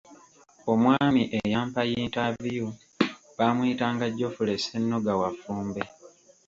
Omwami eyampa yintaavuyu baamuyitanga Geoffrey Ssennoga, wa ffumbe.